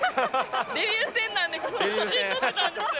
デビュー戦なんで、ここで写真撮ってたんですよ。